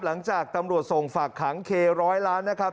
หลังจากตำรวจส่งฝากขังเคร้อยล้านนะครับ